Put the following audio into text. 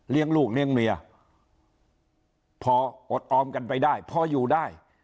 ลูกเลี้ยงเมียพออดออมกันไปได้พออยู่ได้